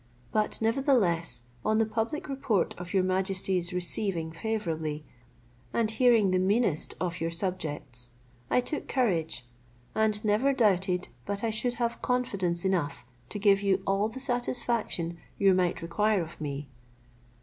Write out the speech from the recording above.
But nevertheless on the public report of your majesty's receiving favourably, and hearing the meanest of your subjects, I took courage, and never doubted but I should have confidence enough to give you all the satisfaction you might require of me.